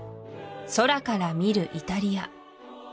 「空から見るイタリア」